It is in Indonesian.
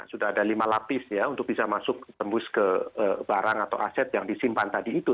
sudah ada lima lapis ya untuk bisa masuk tembus ke barang atau aset yang disimpan tadi itu